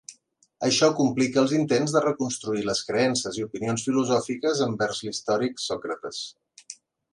Això complica els intents de reconstruir les creences i opinions filosòfiques envers l'històric Sòcrates.